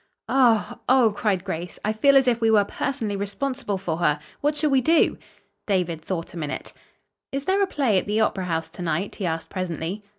"Oh, oh!" cried Grace, "I feel as if we were personally responsible for her! What shall we do?" David thought a minute. "Is there a play at the Opera House to night?" he asked presently.